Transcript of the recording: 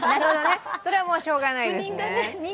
それはもうしようがないですね。